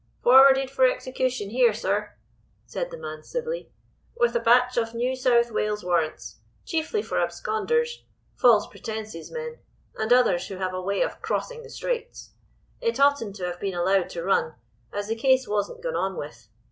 "Forwarded for execution here, sir," said the man civilly, "with a batch of New South Wales warrants, chiefly for absconders, false pretences men, and others who have a way of crossing the Straits. It oughtn't to have been allowed to run, as the case wasn't gone on with.